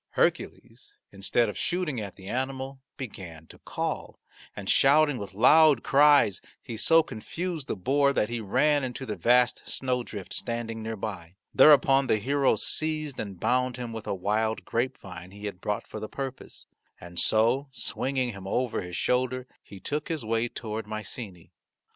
Hercules, instead of shooting at the animal, began to call, and shouting with loud cries he so confused the boar that he ran into the vast snowdrift standing near by. Thereupon the hero seized and bound him with a wild grapevine he had brought for the purpose. And so swinging him over his shoulder he took his way toward Mycenae.